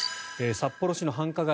札幌市の繁華街